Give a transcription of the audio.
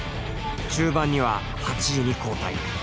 中盤には８位に後退。